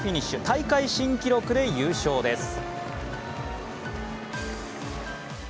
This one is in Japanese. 大会新記録で優勝です。